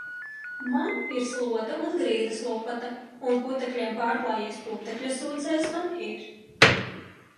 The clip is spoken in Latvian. Man ir slota un grīdas lupata. Un putekļiem pārklājies putekļu sūcējs man ir.